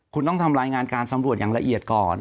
คุณต้องทำรายงานการสำรวจอย่างละเอียดก่อน